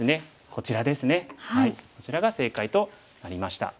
こちらが正解となりました。